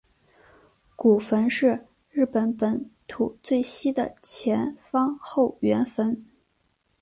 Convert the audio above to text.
古坟是日本本土最西的前方后圆坟。